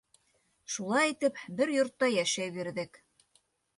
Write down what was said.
Шулай итеп, бер йортта йәшәй бирҙек.